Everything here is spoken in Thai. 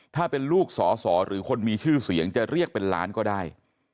ถ้าเป็นลูกสอสอหรือคนมีชื่อเสียงจะเรียกเป็นล้านก็ได้